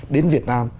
đến việt nam